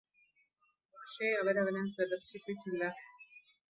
പക്ഷേ അവരവനെ പ്രദര്ശിപ്പിച്ചില്ല